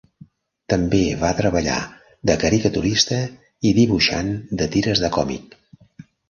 També va treballar de caricaturista i dibuixant de tires de còmic.